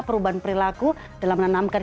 perubahan perilaku dalam menanamkan